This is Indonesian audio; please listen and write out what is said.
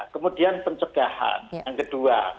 kemudian pencegahan yang kedua